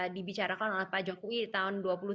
dibicarakan oleh pak jokowi di tahun dua ribu tujuh belas